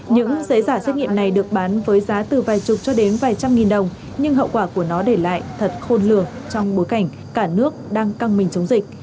những giấy giả xét nghiệm này được bán với giá từ vài chục cho đến vài trăm nghìn đồng nhưng hậu quả của nó để lại thật khôn lường trong bối cảnh cả nước đang căng mình chống dịch